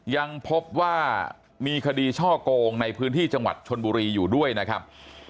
ยังพบว่ามีคดีช่อกงในพื้นที่จังหวัดชนบุรีอยู่ด้วยนะครับ